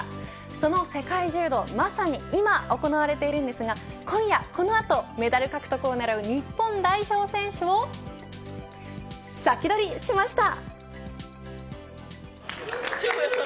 その世界柔道まさに今、行われているんですが今夜この後メダル獲得を狙う日本代表選手をサキドリしました。